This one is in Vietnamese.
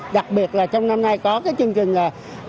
đặc biệt là trong năm nay có cái chương trình